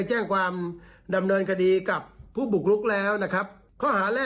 หาปีนะฮะ